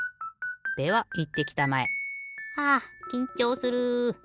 ではいってきたまえ。はあきんちょうする。